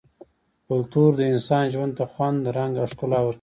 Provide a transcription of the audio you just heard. کلتور د انسان ژوند ته خوند ، رنګ او ښکلا ورکوي -